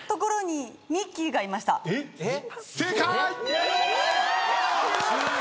正解！